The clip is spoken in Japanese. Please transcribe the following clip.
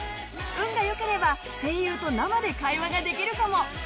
運が良ければ声優と生で会話ができるかも！